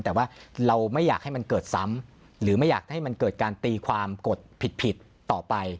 แต่ว่าเราไม่อยากให้มันเกิดซ้ำหรือไม่อยากให้มันเกิดการตีความกดผิดต่อไป